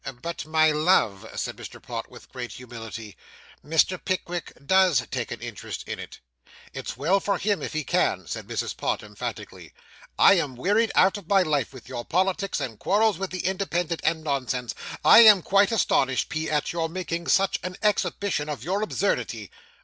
'But, my love,' said Mr. Pott, with great humility, 'Mr. Pickwick does take an interest in it.' 'It's well for him if he can,' said Mrs. Pott emphatically; 'I am wearied out of my life with your politics, and quarrels with the Independent, and nonsense. I am quite astonished, P., at your making such an exhibition of your absurdity.